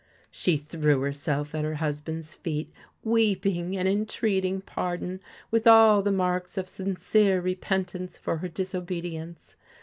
She threw herself at her husband's feet, weeping and entreating pardon, with all the marks of sincere repentance for her disobedience.